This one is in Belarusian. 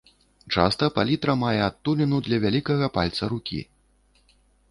Часта палітра мае адтуліну для вялікага пальца рукі.